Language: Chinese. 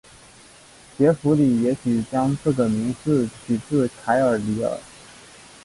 杰佛里也许将这个名字取自凯尔李尔。